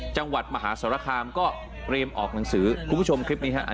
จังหวัดมหาสรคามก็เตรียมออกหนังสือคุณผู้ชมคลิปนี้ฮะ